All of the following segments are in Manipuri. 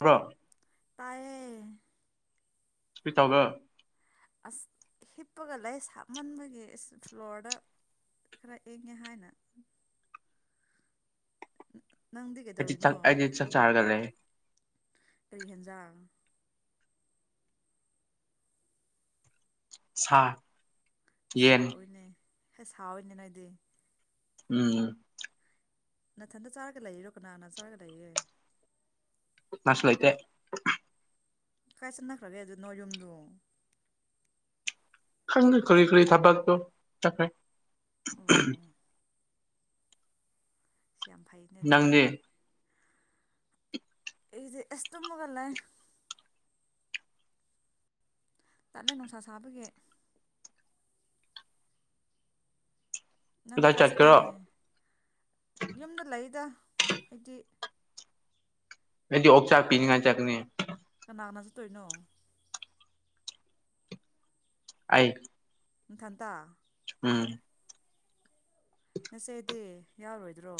ꯕ꯭ꯔꯣ ꯇꯥꯌꯦ꯫ [unintelligible] ꯑꯁ ꯍꯤꯞꯄꯒ ꯂꯩ ꯁꯥꯃꯟꯕꯒꯤ ꯐ꯭ꯂꯣꯔꯗ ꯈꯔ ꯏꯪꯉꯦ ꯍꯥꯏꯅ꯫ ꯅꯪꯗꯤ ꯀꯩꯗꯧꯔꯤꯅꯣ ꯆꯥꯛ ꯑꯩꯗꯤ ꯆꯛ ꯆꯥꯔꯒ ꯂꯩ꯫ ꯀꯔꯤ ꯍꯦꯟꯖꯥꯡ꯫ ꯁꯥ꯫ ꯏꯁ ꯌꯦꯟ ꯍꯥꯎꯋꯤꯅꯦ꯫ ꯍꯥꯎꯋꯤꯅꯦ ꯅꯣꯏꯗꯤ꯫ ꯎꯝ꯫ ꯅꯊꯟꯇꯗ ꯆꯥꯔꯒ ꯂꯩꯔꯣ ꯀꯅꯥꯅ ꯆꯥꯔꯒ ꯂꯩꯌꯦ꯫ ꯀꯅꯥꯁꯨ ꯂꯩꯇꯦ꯫ ꯀꯥꯏ ꯆꯠꯅꯈ꯭ꯔꯒꯦ ꯑꯗꯨ ꯅꯣꯏ ꯌꯨꯝꯗꯨ ꯈꯪꯗꯦ ꯀꯔꯤ ꯀꯔꯤ ꯊꯕꯛꯇꯣ ꯆꯠꯈ꯭ꯔꯦ꯫ ꯑꯣ [unintelligible] ꯁꯤ ꯌꯥꯝ ꯐꯩꯅꯦ ꯑꯗꯨꯗꯤ꯫ ꯅꯪꯗꯤ ꯑꯩꯗꯤ ꯑꯁ ꯇꯨꯝꯃꯒ ꯂꯩ꯫ ꯇꯂꯦ ꯅꯨꯡꯁꯥ ꯁꯥꯕꯒꯤ꯫ ꯅꯪꯗꯤ ꯀꯗꯥꯏ ꯀꯥꯏ ꯆꯠꯀꯦꯔꯣ ꯆꯛꯀꯅꯤ ꯌꯨꯝꯗ ꯂꯩꯗ꯫ ꯑꯩꯗꯤ꯫ ꯑꯩꯗꯤ ꯑꯣꯛ ꯆꯥꯛ ꯄꯤꯅꯤꯉꯥꯏ ꯆꯀꯅꯤ꯫ ꯂꯅꯖꯠꯇꯣꯏꯅꯣ ꯑꯩ ꯏꯊꯟꯇ ꯎꯝ ꯅꯆꯦꯗꯤ ꯌꯥꯎꯔꯣꯏꯗ꯭ꯔꯣ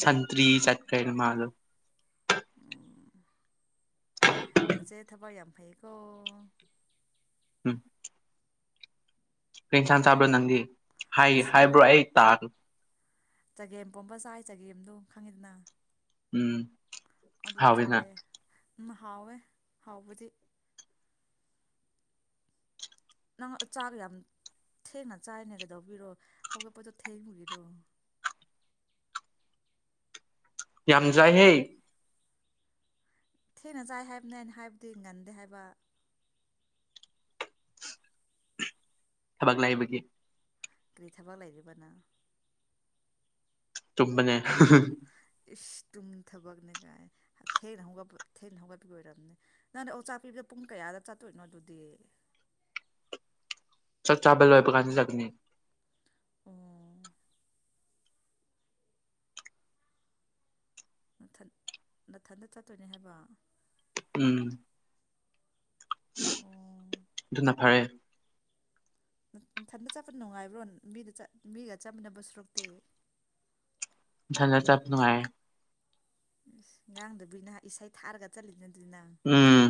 ꯁꯇꯔꯤ ꯆꯠꯀꯩꯅ ꯃꯥ ꯑꯗꯨ ꯅꯁꯦ ꯊꯕꯛ ꯌꯥꯝ ꯐꯩꯌꯦꯀꯣ ꯎꯝ ꯄꯔꯤꯟꯁꯥꯟꯁꯕ꯭ꯔ ꯅꯟꯗꯤ ꯍꯥꯏ ꯉꯁꯤ ꯍꯥꯏꯕ꯭ꯔꯣ ꯑꯩ ꯇꯥ ꯆꯒꯦꯝ ꯄꯣꯝꯕ ꯆꯥꯏ ꯆꯒꯦꯝꯗꯨ ꯈꯪꯉꯤꯗꯅ ꯎꯝ ꯑꯗꯨ ꯍꯥꯎꯋꯤꯅ ꯆꯥꯏꯌꯦ ꯍꯥꯎꯋꯦ ꯍꯥꯎꯕꯗꯤ ꯅꯪ ꯆꯥꯒ ꯌꯥꯝ ꯊꯦꯡꯅ ꯆꯥꯏꯅꯦꯒꯩꯗꯧꯕꯤꯔꯣ ꯍꯧꯒꯠꯄꯗꯣ ꯊꯦꯡꯕꯤꯔꯣ ꯌꯥꯝꯖ ꯍꯦ ꯊꯦꯡꯅ ꯆꯥꯏ ꯍꯥꯏꯕꯅꯦ ꯑꯩꯅ ꯍꯥꯏꯕꯗꯤ ꯉꯟꯗꯦ ꯍꯥꯏꯕ ꯊꯕꯛ ꯂꯥꯛꯏꯕꯒꯤ ꯀ꯭ꯔꯤꯊꯕ ꯂꯩꯗꯕꯅ ꯇꯨꯃꯅꯦ ꯇꯨꯝ ꯊꯕꯛꯅꯤ ꯀꯥꯏ ꯊꯦꯡꯅꯒꯠꯄ ꯊꯦꯡꯅ ꯍꯧꯒꯠꯄꯤ ꯑꯣꯏꯔꯕꯝꯅꯦ ꯅꯪꯅ ꯑꯣ ꯆꯥꯛ ꯄꯤꯕꯤꯗ ꯄꯨꯡ ꯀꯌꯥꯗ ꯆꯥꯠꯇꯣꯏꯅꯣ ꯑꯗꯨꯗꯤ ꯆꯥꯛ ꯆꯥꯕ ꯂꯣꯏꯕ ꯀꯥꯟꯁꯤ ꯆꯛꯅꯤ ꯑꯣ ꯊ ꯅꯥꯊꯟꯇ ꯆꯠꯇꯣꯏꯅꯦ ꯍꯥꯏꯕ ꯎꯝ ꯑꯣ ꯑꯗꯨ ꯅꯥ ꯐꯔꯦ ꯏꯊꯟꯗ ꯆꯠꯄ ꯅꯨꯡꯉꯥꯏꯕ꯭ꯔꯣ ꯃꯤꯒ ꯃꯤꯒ ꯆꯥꯃꯤꯟꯅꯅꯕ ꯁꯨꯔꯛꯇꯦ ꯊꯅ ꯆꯄꯅꯅꯨꯡꯉꯥꯏ ꯎ ꯉꯥꯡꯗꯨꯕꯨ ꯅꯍ ꯏꯁꯩ ꯊꯥꯔꯒ ꯆꯠꯂꯤꯗ ꯑꯗꯨꯅ ꯎꯝ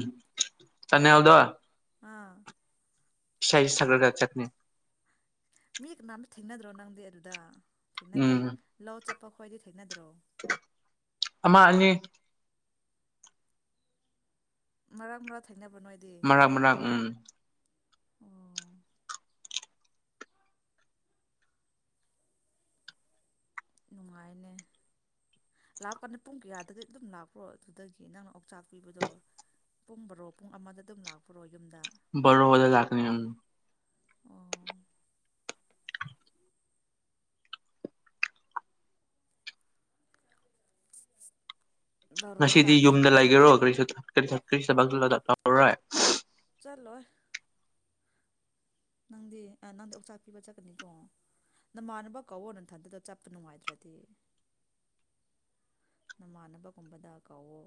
ꯆꯅꯤ ꯍꯎꯗ ꯑꯥ ꯁꯏ ꯁꯥꯒꯔꯒ ꯆꯥꯛꯅꯤ ꯃꯤ ꯀꯅꯥꯝꯇ ꯊꯦꯡꯅꯗ꯭ꯔꯣ ꯅꯪꯗꯤ ꯑꯗꯨꯗ ꯊꯅ ꯗꯦ ꯎꯝ ꯂ ꯆ ꯄꯥ꯭ꯋꯥꯗꯤ ꯊꯦꯡꯅꯗ꯭ꯔꯣ ꯑꯃ ꯑꯅꯤ ꯃꯔꯥꯡ ꯃꯔꯥ ꯊꯥꯏꯅꯕ ꯃꯔꯥꯡ ꯃꯔꯥꯡ ꯎꯝ ꯑꯣ ꯅꯨꯡꯉꯥꯏꯅꯦ ꯂꯥꯛꯄ ꯀꯥꯟꯗ ꯄꯨꯡ ꯀꯌꯥꯗꯗꯤ ꯑꯗꯨꯝ ꯂꯥꯛꯄ꯭ꯔꯣ ꯑꯗꯨꯗꯒꯤ ꯅꯪꯅ ꯑꯣꯛꯆꯥꯛ ꯄꯤꯕꯗꯣ ꯄꯨꯡꯕꯔꯣ ꯄꯨꯡ ꯑꯃꯗ ꯑꯗꯨꯝ ꯂꯥꯛꯄꯔꯣ ꯌꯨꯝꯗ ꯔ ꯂꯥꯛꯀꯅꯤ ꯑ ꯑꯣ ꯕꯥꯔꯣꯗ ꯉꯁꯤꯗꯤ ꯂꯥꯛꯑꯅꯤ ꯌꯨꯝꯗ ꯂꯩꯒꯦꯔꯣ ꯀꯔꯤꯁꯨ ꯊꯔꯤ ꯆꯕꯔꯦ ꯆꯠꯂꯣꯏ ꯅꯪꯗꯤ ꯅꯪꯗꯤ ꯑꯣꯛꯆꯥꯛ ꯄꯤꯕ ꯆꯠꯀꯅꯤꯀꯣ ꯅꯃꯥꯟꯅꯕ ꯀꯧꯋꯣ ꯅꯊꯟꯇꯗ ꯆꯠꯄ ꯅꯨꯡꯉꯥꯏꯗ꯭ꯔꯗꯤ ꯅꯃꯥꯟꯅꯕꯒꯨꯝꯕꯗ ꯀꯧꯋ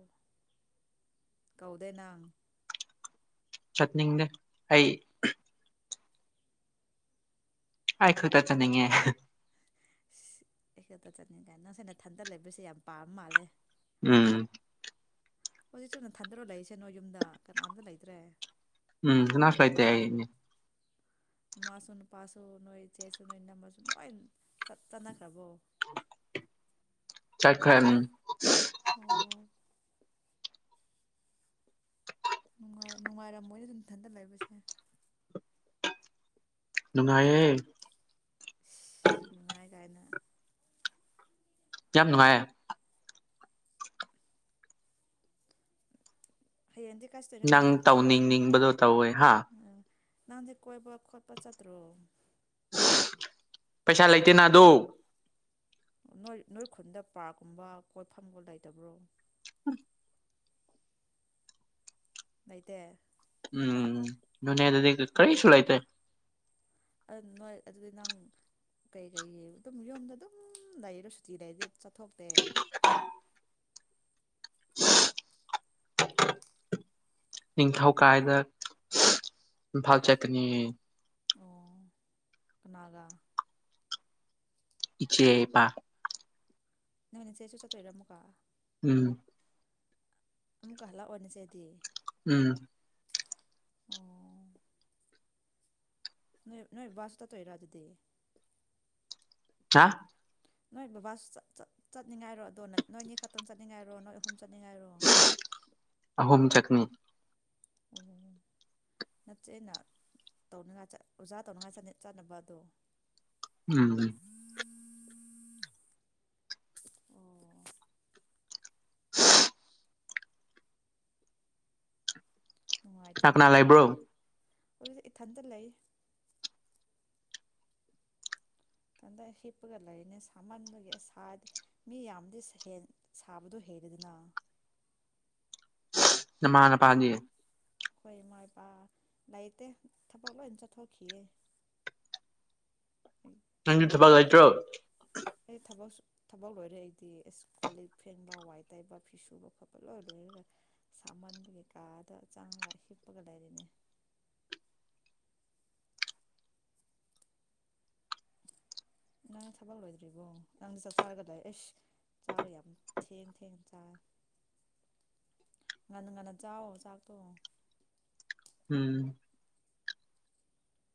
ꯀꯧꯗꯦ ꯅꯪ ꯆꯠꯅꯤꯡꯗꯦ ꯑꯩ ꯑꯩ ꯈꯨꯜꯗ ꯆꯠꯅꯤꯡꯉꯦ ꯑꯩ ꯈꯛꯇ ꯆꯠꯅꯤꯡ ꯀꯥꯏ ꯅꯁꯥꯏꯅ ꯊꯟꯗ ꯂꯩꯕꯁꯦ ꯌꯥꯝ ꯄꯥꯕ ꯃꯥꯜꯂꯦ ꯎꯝ ꯍꯧꯖꯤꯛ ꯆꯨꯅ ꯊꯟꯊꯔ ꯂꯩꯔꯤꯁꯅꯣ ꯌꯨꯝꯗ ꯀꯅꯥꯝꯇ ꯂꯩꯇ꯭ꯔꯦ ꯎꯝ ꯀꯅꯥꯁꯨ ꯂꯩꯇꯦ ꯅꯨꯃꯁꯨ ꯅꯨꯄꯥꯁꯨ ꯅꯣꯏ ꯏꯆꯦꯁꯨ ꯅꯣꯏ ꯏꯅꯝꯃꯁꯨ ꯂꯣꯏ ꯇꯥꯅꯈ꯭ꯔꯕꯣ ꯆꯥꯛꯈꯔꯦ ꯑꯣ ꯅꯨꯡꯉꯥꯏꯔꯝꯃꯣꯏꯅ ꯑꯗꯨꯝ ꯏꯊꯟꯗ ꯂꯩꯕꯁꯦ ꯅꯨꯡꯉꯥꯏꯑꯦ ꯅꯨꯡꯉꯥꯏ ꯀꯥꯏꯅ ꯌꯥꯝ ꯅꯨꯡꯉꯥꯏ ꯍꯌꯦꯡꯗꯤ ꯀꯥꯏ ꯆꯠꯇꯣꯏꯅꯣ ꯅꯪ ꯅꯪꯗꯤ ꯇꯥꯎ ꯅꯤꯡ ꯅꯤꯡꯕꯗꯣ ꯇꯥꯎ ꯑꯣꯏ ꯍꯥ ꯅꯪꯁꯦ ꯀꯣꯏꯕ ꯈꯣꯠꯄ ꯆꯠꯇ꯭ꯔꯣ ꯄꯩꯁꯥ ꯂꯩꯇꯦꯅ ꯑꯗꯨ ꯅꯣꯏ ꯅꯣꯏ ꯈꯨꯟꯗ ꯄꯥꯔꯛꯀꯨꯝꯕ ꯀꯣꯏꯠꯐꯝꯒ ꯂꯩꯇꯕ꯭ꯔꯣ ꯂꯩꯇꯦ ꯎꯝ ꯅꯣꯅꯦ ꯑꯗꯨ ꯀꯔꯤꯁꯨꯨ ꯂꯩꯥꯏꯇ ꯑꯗꯨ ꯅꯣꯏ ꯑꯗꯨꯗꯤ ꯅꯪ ꯀꯩꯀꯩ ꯑꯗꯨꯝ ꯌꯨꯝꯗ ꯑꯗꯨꯝ ꯂꯩꯔꯣ ꯁꯨꯇꯤ ꯂꯩꯔꯗꯤ ꯆꯠꯊꯣꯛꯇꯦ [unintelligible] ꯅꯤꯡꯊꯧ ꯀꯥꯕꯗ ꯏꯝꯐꯥꯜ ꯆꯠꯀꯅꯤ ꯑꯣ ꯀꯅꯥꯒ ꯏꯆꯦ ꯏꯄꯥ ꯅꯣꯏ ꯅꯆꯦꯁꯨ ꯆꯠꯇꯣꯏꯔ ꯑꯃꯨꯛꯀꯥ ꯎꯝ ꯑꯃꯨꯛꯀ ꯍꯜꯂꯛꯑꯣꯅꯤꯁꯦꯗꯤ ꯎꯝ ꯑꯣ ꯅꯣꯏ ꯅꯣꯏ ꯕꯥꯁꯨ ꯆꯠꯇꯣꯏꯔ ꯑꯗꯨꯗꯤ ꯍꯥ ꯅꯣꯏ ꯕꯕꯥꯁꯨ ꯆꯠꯅꯤꯡꯉꯥꯏꯔꯣ ꯑꯗꯣ ꯅꯣꯏꯅꯤ ꯈꯛꯇꯪ ꯆꯠꯅꯤꯡꯉꯥꯏꯔꯣ ꯅꯣꯏ ꯑꯍꯨꯝ ꯆꯠꯅꯤꯡꯉꯥꯏ ꯑꯍꯨꯝ ꯆꯠꯅꯤ ꯑꯣ ꯅꯆꯦꯅ ꯇꯧꯅꯉꯥꯏ ꯆꯠ ꯑꯣꯖꯥ ꯇꯧꯅꯉꯥꯏ ꯆꯠꯅꯕ ꯑꯗꯣ ꯎꯝ ꯑꯣ ꯀꯅꯥ ꯀꯅꯥ ꯂꯩꯥꯕ꯭ꯔꯣ ꯑꯩꯈꯣꯏꯁꯨ ꯏꯊꯟꯗ ꯂꯩ ꯇꯟꯗ ꯍꯤꯞꯄꯒ ꯂꯩꯔꯤꯅꯦ ꯁꯥꯃꯟꯕꯒꯤꯗꯤ ꯃꯤ ꯌꯥꯝꯗꯤ ꯁꯥꯕꯗꯣ ꯍꯩꯔꯦꯗꯅ ꯅꯃꯥ ꯅꯄꯥꯥꯗꯤ ꯑꯩꯈꯣꯏ ꯏꯃꯥ ꯏꯄꯥ ꯂꯩꯇꯦ ꯊꯕꯛ ꯂꯣꯏ ꯆꯠꯊꯣꯛꯈꯤꯑꯦ ꯅꯪ ꯊꯕꯛ ꯂꯩꯇ꯭ꯔꯣ ꯑꯩ ꯊꯕꯛ ꯊꯕꯛ ꯂꯣꯏꯔꯦ ꯑꯩꯗꯤ ꯀꯣ ꯂꯤꯛ ꯐꯦꯡꯕ ꯋꯥꯏ ꯇꯥꯏꯕ ꯐꯤꯁꯨꯕ ꯈꯣꯠꯄ ꯂꯣꯏ ꯂꯣꯏꯔꯒ ꯁꯥꯃꯟꯕꯒꯤ ꯀꯥꯗ ꯆꯪꯉꯒ ꯍꯤꯞꯄꯒ ꯂꯩꯔꯤꯅꯤ ꯅꯪ ꯊꯕꯛ ꯂꯣꯏꯗ꯭ꯔꯤꯕꯣ ꯅꯪꯗ ꯆꯥꯛ ꯆꯔꯒꯗ ꯑꯩꯁ ꯆꯥꯛꯗꯣ ꯌꯥꯝ ꯊꯦꯡ ꯊꯦꯡꯅ ꯆꯥꯔꯦ ꯉꯟꯅ ꯉꯟꯅ ꯆꯥꯋꯣ ꯆꯥꯛꯇꯣ ꯎꯝ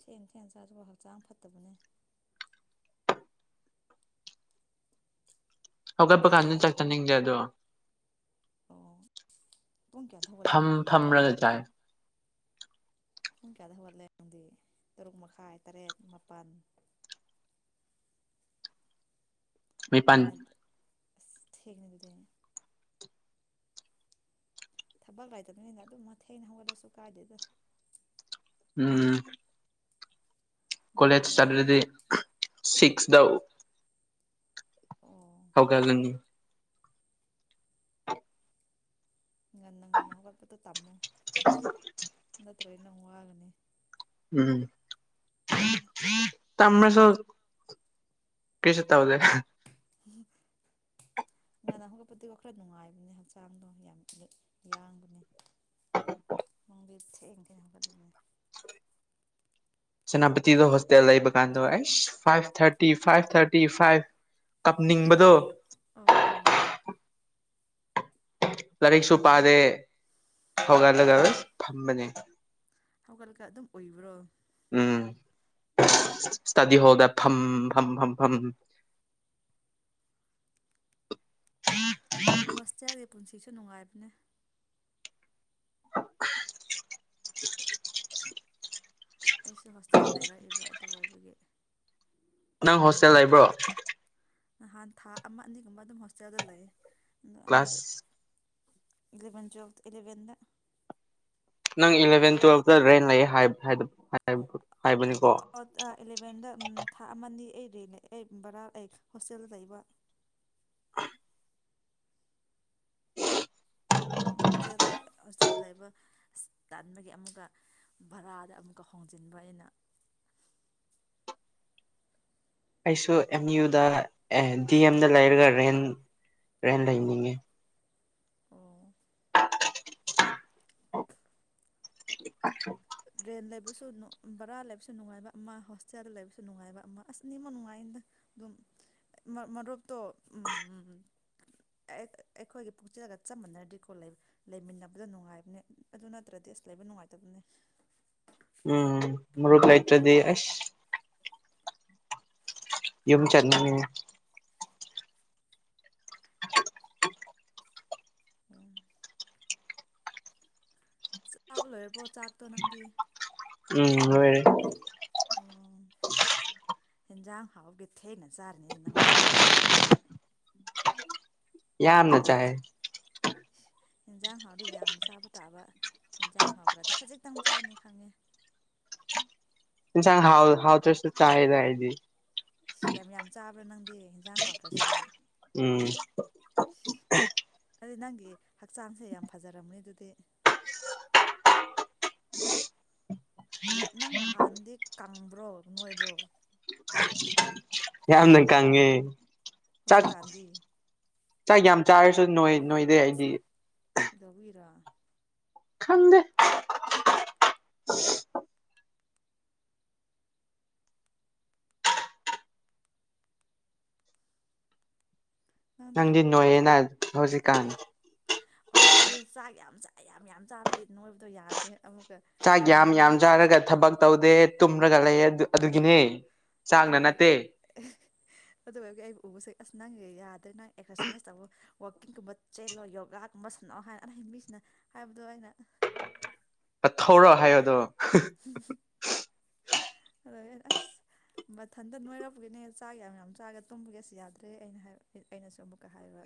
ꯊꯦꯡ ꯊꯦꯡ ꯆꯥꯖꯕ ꯍꯛꯆꯥꯡ ꯐꯠꯇꯕꯅꯦ ꯍꯧꯒꯠꯄ ꯀꯥꯟꯗ ꯆꯥꯛ ꯆꯅꯤꯡꯗꯦ ꯑꯗꯣ ꯑꯣ ꯄꯨꯡ ꯀꯌꯥꯗ ꯍꯧꯒꯠꯂꯦ ꯐꯝ ꯅꯪꯗꯤ ꯑꯗꯨꯨꯗꯤ ꯐꯝꯔꯒ ꯆꯥꯏ ꯄꯨꯡ ꯀꯌꯥꯗ ꯍꯧꯒꯠꯂꯦ ꯅꯪꯗꯤ ꯇꯔꯨꯛ ꯃꯈꯥꯏ ꯇꯔꯦꯠ ꯃꯥꯄꯜ ꯅꯤꯄꯥꯥꯜ ꯑ ꯊꯦꯡꯉꯦ ꯑꯗꯨꯗꯤ ꯊꯕꯛ ꯂꯩꯇꯕꯅꯤꯅ ꯑꯗꯨꯝ ꯃꯊꯦꯡꯅ ꯍꯧꯒꯠꯂꯁꯨ ꯀꯥꯏꯗꯦꯗ ꯎꯝ ꯉꯟꯅ ꯀꯣꯂꯦꯖ ꯍꯧꯒꯠꯂꯒ ꯆꯠꯂꯗꯤ ꯁꯤꯛꯁ ꯌꯥꯎ ꯑꯣ ꯍꯧꯒꯠꯂꯅꯤ ꯉꯟꯅ ꯉꯟꯅ ꯍꯧꯒꯠꯄꯗꯣ ꯇꯝꯃꯣ ꯅꯠ ꯇꯔ꯭ꯗꯤ ꯅꯪ ꯋꯥꯒꯅꯤ ꯎꯝ ꯇꯝꯃꯁꯨ ꯀꯔꯤꯁꯨ ꯇꯧꯗꯦ ꯉꯟꯅ ꯍꯧꯒꯠꯄꯗꯨ ꯈꯔ ꯅꯨꯡꯉꯥꯏꯕꯅꯦ ꯍꯛꯆꯥꯡꯗꯣ ꯌꯥꯝ ꯌꯥꯡꯕꯅꯦ ꯅꯡꯗꯤ ꯊꯦꯡ ꯊꯦꯡꯅ ꯍꯧꯒꯠꯂꯦꯅꯦ ꯁꯦꯅꯥꯄꯇꯤꯗ ꯍꯣꯁꯇꯦꯜ ꯂꯩꯕ ꯀꯥꯟꯗꯣ ꯑꯦꯁ five thirty five thirty five ꯀꯞꯅꯤꯡꯕꯗꯣ ꯑꯣ ꯂꯥꯏꯔꯤꯛꯁꯨ ꯄꯥꯗꯦ ꯍꯧꯒꯠꯂꯒ ꯐꯝꯕꯅꯦ ꯍꯧꯒꯠꯂꯒ ꯑꯗꯨꯝ ꯎꯏꯕ꯭ꯔꯣ ꯎꯝ ꯗꯤ ꯍꯣꯜꯗ ꯐꯝ ꯐꯝ ꯐꯝ ꯐꯝ ꯍꯣꯁꯇꯦꯜꯒꯤ ꯄꯨꯟꯁꯤꯁꯨ ꯅꯨꯡꯉꯥꯏꯕꯅꯦ ꯑꯩꯁꯨ ꯍꯣꯁꯇꯦꯜ ꯂꯩꯔꯛꯑꯦꯕ ꯑꯗꯨ ꯑꯣꯏꯕꯒꯤ ꯅꯪ ꯍꯣꯁꯇꯦꯜ ꯂꯩꯕ꯭ꯔꯣ ꯅꯍꯥꯟ ꯊꯥ ꯑꯃ ꯑꯅꯤꯒꯨꯝꯕ ꯑꯗꯨꯝ ꯍꯣꯁꯇꯦꯜꯗ ꯂꯩ ꯀ꯭ꯂꯥꯁ ꯏꯂꯦꯚꯦꯟ ꯇ꯭ꯨꯋꯦꯜ ꯏꯂꯦꯚꯦꯟꯗ ꯅꯪ ꯏꯂꯚꯦꯟ ꯇꯨꯋꯦꯜꯇ ꯀꯥꯏ ꯂꯩꯌꯦ ꯑꯣ ꯏꯂꯚꯦꯟꯗ ꯎꯝ ꯊꯥ ꯑꯃꯅꯤ ꯑꯩ ꯅꯦ ꯑꯩ ꯕꯔꯥ ꯑꯩ ꯍꯣꯁꯇꯦꯜꯗ ꯂꯩꯕ [unintelligible] ꯍꯣꯁꯇꯦꯜ ꯂꯩꯕ ꯍꯣꯁꯇꯦꯜ ꯂꯩꯕ ꯑꯁ ꯇꯟꯕꯒꯤ ꯑꯃꯨꯛꯀ ꯚꯔꯥꯗ ꯑꯃꯨꯛꯀ ꯍꯣꯡꯖꯤꯟꯕ ꯑꯩꯅ ꯑꯩꯁꯨ ꯑꯦꯝ ꯌꯨꯗ ꯑꯦ ꯗꯤ ꯑꯦꯝꯗ ꯂꯩꯔꯒ ꯔꯦꯟ ꯔꯦꯟ ꯂꯩꯅꯤꯡꯉꯤ ꯑꯣ ꯑ ꯔꯦꯟ ꯂꯩꯕꯁꯨ ꯕꯔꯥ ꯂꯩꯕꯁꯨ ꯅꯨꯡꯉꯥꯏꯕ ꯑꯃ ꯍꯣꯁꯇꯦꯜꯗ ꯂꯩꯕꯁꯨ ꯅꯨꯡꯉꯥꯏꯕ ꯑꯃ ꯑꯁ ꯑꯅꯤꯃꯛ ꯅꯨꯡꯉꯥꯏꯗ ꯑꯗꯨꯝ ꯃꯔꯨꯞꯇꯣ ꯑꯩꯈꯣꯏꯒꯤ ꯄꯨꯛꯆꯦꯜꯒ ꯆꯞ ꯃꯥꯟꯅꯔꯗꯤꯀꯣ ꯂꯩꯃꯤꯟꯅꯕꯗ ꯅꯨꯡꯉꯥꯏꯕꯅꯦ ꯑꯗꯨ ꯅꯠꯇ꯭ꯔꯗꯤ ꯑꯁ ꯂꯩꯕ ꯅꯨꯡꯉꯥꯏꯇꯕꯅꯦ ꯎꯝ ꯃꯔꯨꯞ ꯂꯩꯇ꯭ꯔꯗꯤ ꯑꯁ ꯌꯨꯝ ꯆꯠꯅꯤꯡꯉꯦ ꯎꯝ ꯆꯥꯕ ꯂꯣꯏꯔꯕꯣ ꯆꯥꯛꯇꯣ ꯅꯪꯗꯤ ꯎꯝ ꯂꯣꯢꯔꯦ ꯑꯣ ꯏꯟꯖꯥꯡ ꯍꯥꯎꯒꯦ ꯊꯦꯡꯅ ꯆꯔꯅꯤ ꯌꯥꯝꯅ ꯆꯥꯏꯌꯦ ꯏꯟꯖꯥꯡ ꯍꯥꯎꯗꯤ ꯌꯥꯝ ꯆꯥꯕ ꯇꯥꯕ ꯌꯦꯟꯁꯥꯡ ꯍꯥꯎꯇꯔꯗꯤ ꯈꯖꯤꯛꯇꯪ ꯆꯥꯅꯤ ꯈꯪꯉꯦ ꯏꯟꯁꯥꯡ ꯍꯥꯎ ꯍꯥꯎꯇ꯭ꯔꯁꯨ ꯆꯥꯏꯌꯦꯗ ꯑꯩꯗꯤ꯫ ꯌꯥꯝ ꯌꯥꯝ ꯆꯥꯕ꯭ꯔꯥ ꯅꯪꯗꯤ ꯏꯟꯖꯥꯡ ꯍꯥꯎꯇ꯭ꯔꯁꯨ ꯎꯝ꯫ ꯑꯗꯨꯗꯤ ꯅꯪꯒꯤ ꯍꯛꯆꯥꯡꯁꯦ ꯌꯥꯝ ꯐꯖꯔꯝꯅꯤ ꯑꯗꯨꯗꯤ꯫ ꯅꯪ ꯅꯍꯥꯟꯗꯤ ꯀꯪꯕ꯭ꯔꯣ ꯅꯣꯏꯕ꯭ꯔꯣ? ꯌꯥꯝꯅ ꯀꯪꯉꯦ꯫ ꯆꯥꯛ ꯍꯧꯖꯤꯛꯀꯥꯟꯗꯤ ꯆꯥꯛ ꯌꯥꯝ ꯆꯥꯔꯁꯨ ꯅꯣꯏ ꯅꯣꯏꯗꯦ ꯑꯩꯗꯤ꯫ ꯀꯗꯧꯕꯩꯔꯥ꯫ ꯈꯪꯗꯦ꯫ ꯅꯪꯗꯤ ꯅꯣꯏꯌꯦꯅꯥ ꯍꯧꯖꯤꯛꯀꯥꯟ꯫ ꯑꯣ ꯑꯩꯗꯤ ꯆꯥꯛ ꯌꯥꯝ ꯆꯥꯛ ꯌꯥꯝ ꯌꯥꯝ ꯆꯥꯕꯒꯤ ꯅꯣꯏꯕꯗꯣ ꯌꯥꯗ꯭ꯔꯦ ꯑꯃꯨꯛ꯫ ꯆꯥꯛ ꯌꯥꯝ ꯌꯥꯝ ꯆꯥꯔꯒ ꯊꯕꯛ꯫ ꯇꯧꯗꯦ ꯇꯨꯝꯔꯒ ꯂꯩꯌꯦ ꯑꯗꯨ ꯑꯗꯨꯒꯤꯅꯦ꯫ ꯑꯗꯨ ꯆꯥꯛꯅ ꯑꯩ ꯅꯠꯇꯦ ꯑꯗꯨꯑꫭꯏꯒ ꯑꯩꯕꯨ ꯎꯕꯁꯦ ꯑꯁ ꯅꯪ ꯌꯥꯗ꯭ꯔꯦ ꯅꯪ ꯑꯦꯛꯁꫪꯁꯥꯏꯖ ꯇꯧꯋꯣ꯫ ꯋꯥꯛꯀꯤꯡꯒꯨꯝꯕ ꯆꯦꯜꯂꯣ ꯌꯣꯒꯥꯒꯨꯝꯕ ꯁꯥꯟꯅꯑꯣ ꯍꯥꯏ ꯑꯅ ꯃꯤꯁꯤꯅ ꯍꯥꯏꯕꯗꯣ ꯑꯩꯅ꯫ ꯍꯧꯔꯣ ꯍꯥꯏꯌꯣꯗꯣ꯫ [unintelligible] [unintelligible] ꯑꯁ ꯃꯊꯟꯇ ꯅꯣꯏꯔꯄꯒꯤꯅꯦ ꯆꯥꯛ ꯌꯥꯝ ꯌꯥꯝ ꯆꯥꯒ ꯇꯨꯝꯕꯒꯤ ꯑꯁ ꯌꯥꯗ꯭ꯔꯦ ꯑꯩꯅ ꯍꯥꯏ ꯑꯩꯅꯁꯨ ꯑꯃꯨꯛꯀ ꯍꯥꯏꯕ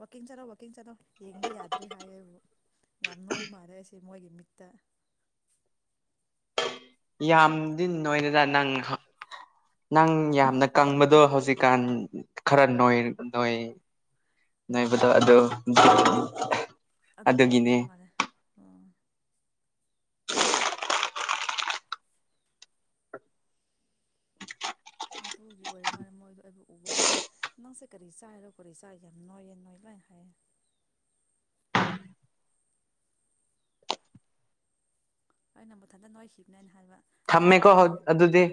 ꯋꯥꯛꯀꯤꯡ ꯆꯠꯂꯣ ꯋꯥꯛꯀꯤꯡ ꯆꯠꯂꯣ ꯌꯦꯡꯕ ꯌꯥꯗ꯭ꯔꯦ ꯍꯥꯏꯌꯦꯕꯨ ꯌꯥꯝ ꯅꯣꯏꯕ ꯃꯥꯜꯂꯦ ꯑꯩꯁꯦ ꯃꯣꯏꯒꯤ ꯃꯤꯠꯇ꯫ ꯌꯥꯝꯗꯤ ꯅꯣꯏꯗꯦꯗ ꯅꯪ ꯅꯪ ꯌꯥꯝꯅ ꯀꯪꯕꯗꯣ ꯍꯧꯖꯤꯛꯀꯥꯟ ꯈꯔ ꯅꯣꯏ ꯅꯣꯏ ꯅꯣꯏꯕꯗꯣ ꯑꯗꯨ ꯑꯗꯨ ꯑꯗꯨꯒꯤꯅꯦ ꯑꯣꯏꯔꯝꯃꯤ ꯃꯥꯜꯂꯦ ꯑꯣ꯫ ꯑꯗꯨꯒꯤ ꯑꯣꯏꯔ ꯃꯥꯜꯂꯦ ꯃꯣꯏꯗꯣ ꯑꯩꯕꯨ ꯎꯕ ꯈꯨꯗꯤꯡ ꯅꯪꯁꯦ ꯀꯔꯤ ꯆꯥꯏꯔꯣ ꯀꯔꯤ ꯆꯥꯏ ꯌꯥꯝ ꯅꯣꯏꯌꯦ ꯅꯣꯏ ꯂꯣꯏꯅ ꯍꯥꯏꯌꯦ꯫ ꯑꯩꯅ ꯃꯊꯟꯗ ꯅꯣꯏꯈꯤꯕꯅꯦꯅ ꯍꯥꯏꯕ꯫ ꯅꯣꯏꯅ ꯊꯝꯃꯦꯀꯣ ꯀꯪꯉꯦ ꯑꯗꯨꯗꯤ꯫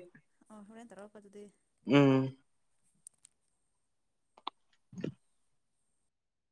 ꯑꯣ ꯍꯣꯔꯦꯟ ꯇꯧꯔꯛꯄ ꯑꯗꯨꯗꯤ꯫ ꯎꯝ꯫